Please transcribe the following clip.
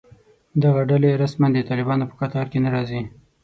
دغه ډلې رسماً د طالبانو په کتار کې نه راځي